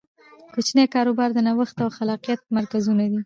کوچني کاروبارونه د نوښت او خلاقیت مرکزونه دي.